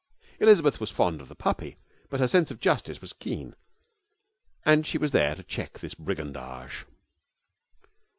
Elizabeth was fond of the puppy, but her sense of justice was keen and she was there to check this brigandage.